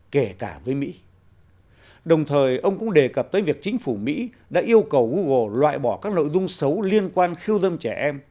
kể cả với mỹ đồng thời ông cũng đề cập tới việc chính phủ mỹ đã yêu cầu google loại bỏ các nội dung xấu liên quan khiêu dâm trẻ em